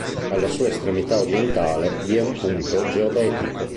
Alla sua estremità orientale vi è un punto geodetico.